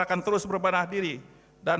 akan terus berbanah diri dan